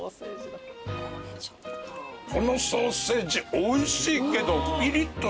このソーセージおいしいけど。